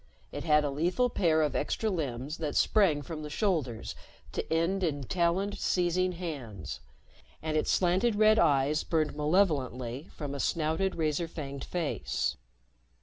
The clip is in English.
It had a lethal pair of extra limbs that sprang from the shoulders to end in taloned seizing hands, and its slanted red eyes burned malevolently from a snouted, razor fanged face.